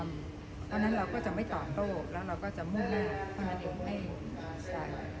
เพราะฉะนั้นเราก็จะไม่ต่อโรคแล้วเราก็จะมุ่งแรกเพราะฉะนั้นมันให้ใส่